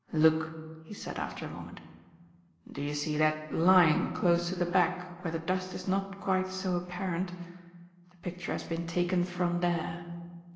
"Look," he said after a moment, "do you see that line, close to the back, where the dust is not quite so apparent? The picture has been taken from there."